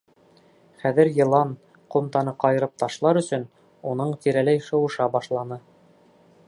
Хәҙер йылан, ҡумтаны ҡайырып ташлар өсөн, уның тирәләй шыуыша башлай.